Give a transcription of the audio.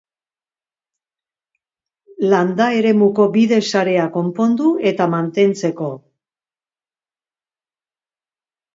Landa eremuko bide sarea konpondu eta mantentzeko.